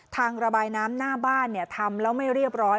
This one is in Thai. ทางระบายน้ำหน้าบ้านทำแล้วไม่เรียบร้อย